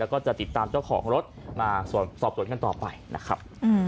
แล้วก็จะติดตามเจ้าของรถมาสอบสวนกันต่อไปนะครับ